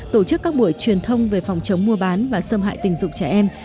tổ chức các buổi truyền thông về phòng chống mua bán và xâm hại tình dục trẻ em